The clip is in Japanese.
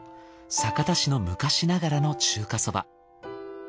酒田市の昔ながらの中華そば。